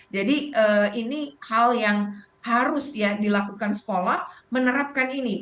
jadi ini hal yang harus dilakukan sekolah menerapkan ini